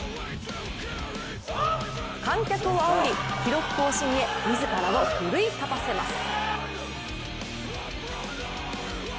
観客をあおり、記録更新へ自らを奮い立たせます。